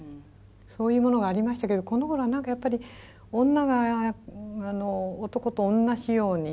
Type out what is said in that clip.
そういうものがありましたけどこのごろは何かやっぱり女が男と同じように扱われるべきだと。